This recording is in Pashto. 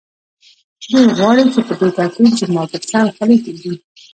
دوی غواړي چې په دې ترتیب زما پر سر خولۍ کېږدي